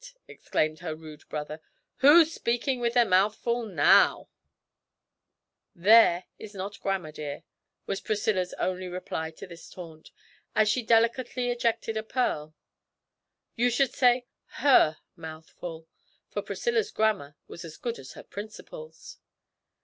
exclaimed her rude brother; 'who's speaking with their mouth full now?' '"Their" is not grammar, dear,' was Priscilla's only reply to this taunt, as she delicately ejected a pearl, 'you should say her mouth full.' For Priscilla's grammar was as good as her principles.